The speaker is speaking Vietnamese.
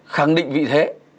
khẳng định vị thế